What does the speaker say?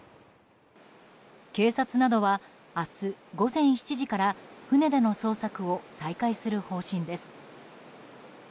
警察などは明日午前７時から船での捜索を再開する方針です。